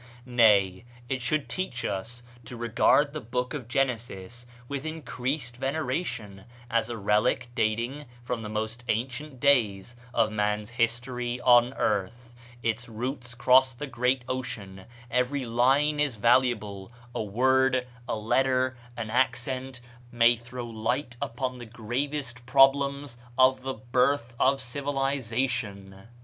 Nay, it should teach us to regard the Book of Genesis with increased veneration, as a relic dating from the most ancient days of man's history on earth; its roots cross the great ocean; every line is valuable; a word, a letter, an accent may throw light upon the gravest problems of the birth of civilization.